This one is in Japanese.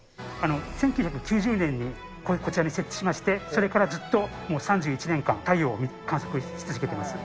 １９９０年にこちらに設置しまして、それからずっともう３１年間、太陽を観測し続けてます。